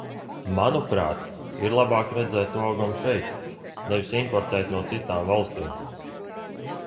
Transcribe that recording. Manuprāt, ir labāk redzēt to augam šeit, nevis importēt no citām valstīm.